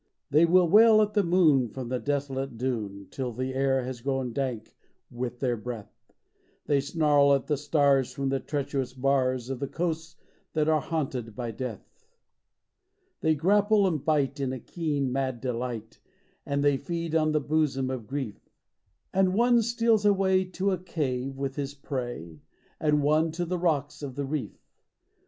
They wail at the moon from the desolate dune Till the air has grown dank with their breath ; They snarl at the stars from the treacherous bars Of the coasts that are haunted by Death. 9 lo THE WOLVES OF THE SEA. They grapple and bite in a keen, mad delight As they feed on the bosom of Grief ; And one steals away to a cave with his prey, And one to the rocks of the reef.